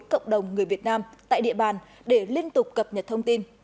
cộng đồng người việt nam tại địa bàn để liên tục cập nhật thông tin